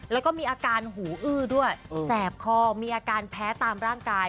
แล้วก็มีอาการหูอื้อด้วยแสบคอมีอาการแพ้ตามร่างกาย